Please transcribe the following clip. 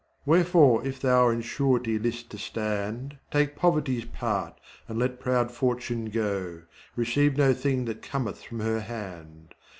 Wherefore, if thou in surety list to stand, Take Pov'rty's part and let proud Fortune go, Receive no thing that cometh from her hand.